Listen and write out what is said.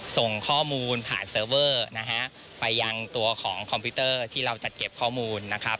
ส่งข้อมูลผ่านเซอร์เวอร์นะฮะไปยังตัวของคอมพิวเตอร์ที่เราจัดเก็บข้อมูลนะครับ